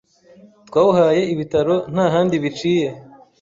twawuhaye ibitaro nta handi biciye